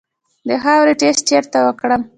د خاورې ټسټ چیرته وکړم؟